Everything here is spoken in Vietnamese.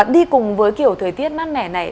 đi cùng với kiểu thời tiết mát mẻ này